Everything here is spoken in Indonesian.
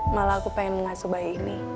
malah aku pengen ngasih bayi ini